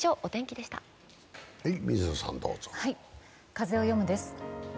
「風をよむ」です。